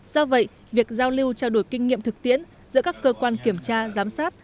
do vậy việc giao lưu trao đổi kinh nghiệm thực tiễn giữa các cơ quan kiểm tra giám sát